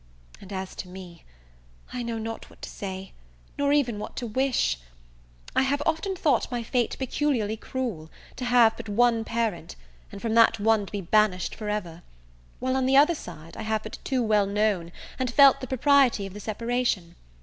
And as to me, I know not what to say, nor even what to wish; I have often thought my fate peculiarly cruel, to have but one parent, and from that one to be banished for ever; while, on the other side, I have but too well known and felt the propriety of the separation.